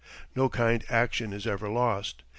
No kind action is ever lost.